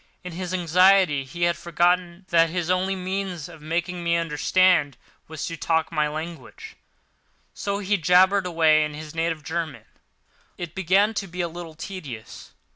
In his anxiety he had forgotten that his only means of making me understand was to talk my language, so he jabbered away in his native German. It began to be a little tedious.